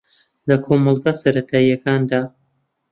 لە کۆمەڵگە سەرەتایییەکاندا